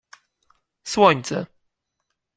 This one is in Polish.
Słońce.